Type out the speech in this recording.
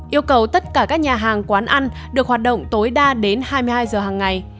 yêu cầu tất cả các nhà hàng quán ăn được hoạt động tối đa đến hai mươi hai giờ hàng ngày